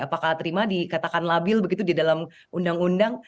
apakah terima dikatakan labil begitu di dalam undang undang